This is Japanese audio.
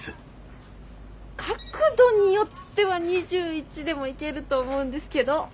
角度によっては２１でもいけると思うんですけど。